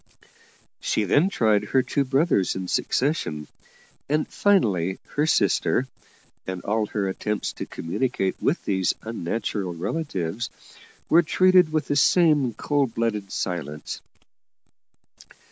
She then tried her two brothers in succession, and finally her sister, and all her attempts to communicate with these unnatural relatives were treated with the same cold blooded silence.